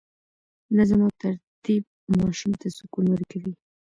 نظم او ترتیب ماشوم ته سکون ورکوي.